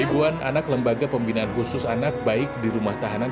ribuan anak lembaga pembinaan khusus anak baik di rumah tahanan